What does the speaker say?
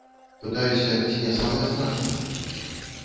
Пытаюся, ці не самае страшнае?